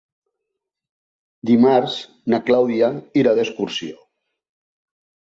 Dimarts na Clàudia irà d'excursió.